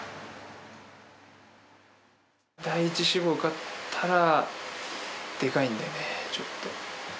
第１志望受かったらでかいんでね、ちょっと。